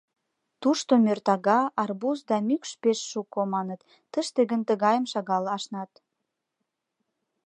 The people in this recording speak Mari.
Тушто мӧртага, арбуз да мӱкш пеш шуко, маныт, тыште гын тыгайым шагал ашнат.